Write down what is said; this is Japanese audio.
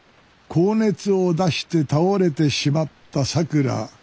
高熱を出して倒れてしまったさくら。